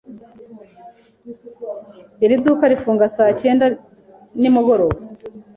Iri duka rifunga saa cyenda nimugoroba.